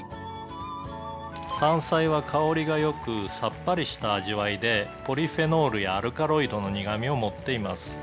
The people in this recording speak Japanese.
「山菜は香りが良くさっぱりした味わいでポリフェノールやアルカロイドの苦みを持っています」